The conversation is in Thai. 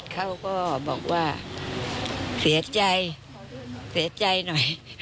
เขาก็บอกว่าเสียใจเสียใจหน่อย